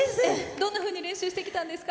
どんなふうに練習してきたんですか？